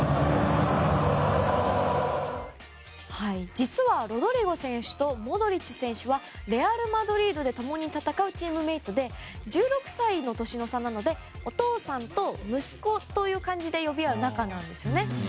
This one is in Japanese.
実は、ロドリゴ選手とモドリッチ選手はレアル・マドリードで共に戦うチームメートで１６歳の年の差なのでお父さんと息子と呼び合う仲なんですね。